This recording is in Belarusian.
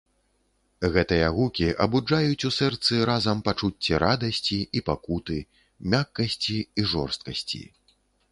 Гэтыя гукі абуджаюць у сэрцы разам пачуцці радасці і пакуты, мяккасці і жорсткасці.